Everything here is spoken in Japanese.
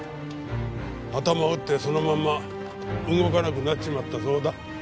頭を打ってそのまま動かなくなっちまったそうだ。